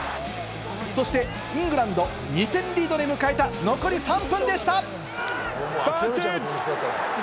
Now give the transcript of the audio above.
そしてイングランド２点リードで迎えた残り３分でした。